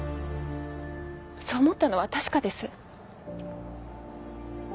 そう思ったのは確かです。